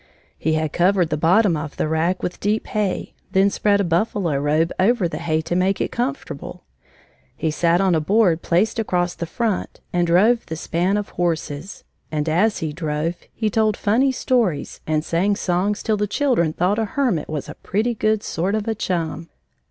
He had covered the bottom of the rack with deep hay, then spread a buffalo robe over the hay to make it comfortable. He sat on a board placed across the front and drove the span of horses, and as he drove, he told funny stories and sang songs till the children thought a hermit was a pretty good sort of a chum.